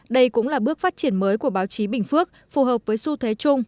đây cũng là bước phát triển mới của báo chí bình phước phù hợp với xu thế chung